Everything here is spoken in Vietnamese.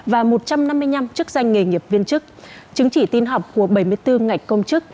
và một trăm năm mươi năm chức danh nghề nghiệp viên chức chứng chỉ tin học của bảy mươi bốn ngạch công chức